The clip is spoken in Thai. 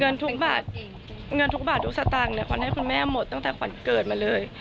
ทุกบาทเงินทุกบาททุกสตางค์เนี่ยขวัญให้คุณแม่หมดตั้งแต่ขวัญเกิดมาเลย